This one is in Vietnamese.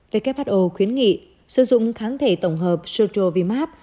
who khuyến nghị sử dụng kháng thể tổng hợp strovimab